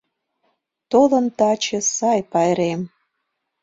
Толын таче сай пайрем